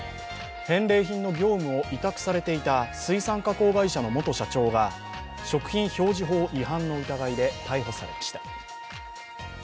返礼品の業務を委託されていた水産加工会社の元社長が食品表示法違反の疑いで逮捕されました。